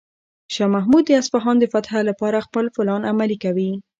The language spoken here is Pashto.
شاه محمود د اصفهان د فتح لپاره خپل پلان عملي کوي.